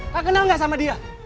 kak kenal gak sama dia